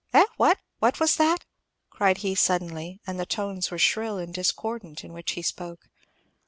"Eh what what was that?" cried he, suddenly; and the tones were shrill and discordant in which he spoke.